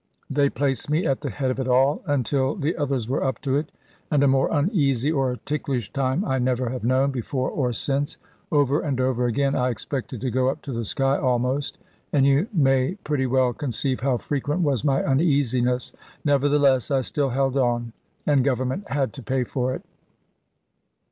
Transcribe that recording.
They placed me at the head of it all, until the others were up to it; and a more uneasy or ticklish time I never have known, before or since. Over and over again I expected to go up to the sky almost; and you may pretty well conceive how frequent was my uneasiness. Nevertheless I still held on; and Government had to pay for it.